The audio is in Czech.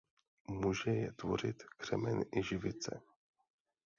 Může je tvořit křemen i živce.